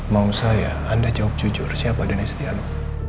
mau saya anda jawab jujur siapa denny setiano